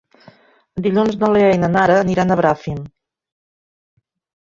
Dilluns na Lea i na Nara aniran a Bràfim.